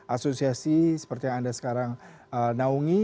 asosiasi seperti yang anda sekarang naungi